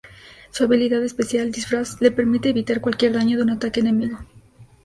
Su habilidad especial "Disfraz", le permite evitar cualquier daño de un ataque enemigo.